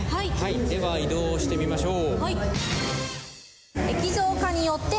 では、移動してみましょう。